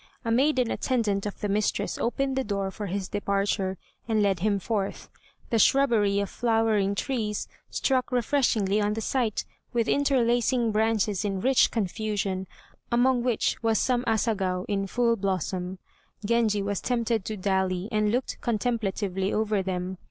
A maiden attendant of the mistress opened the door for his departure, and led him forth. The shrubbery of flowering trees struck refreshingly on the sight, with interlacing branches in rich confusion, among which was some Asagao in full blossom. Genji was tempted to dally, and looked contemplatively over them.